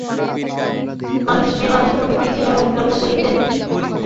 মেয়েমানুষের মতো তিনি ছেলের যত্ন করিতেন।